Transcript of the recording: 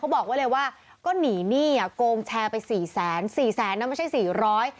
บอกไว้เลยว่าก็หนีหนี้อ่ะโกงแชร์ไปสี่แสนสี่แสนนะไม่ใช่สี่ร้อย